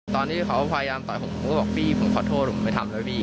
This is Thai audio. ตอนที่เขาพยายามก็บอกพี่ผมขอโทษเลยไม่ทำเถอะครับพี่